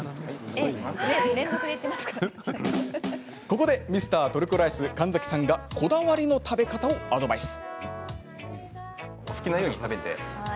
ここで、ミスタートルコライス神崎さんがこだわりの食べ方をアドバイス。